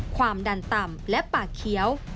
ความดันต่ำและปากเขียว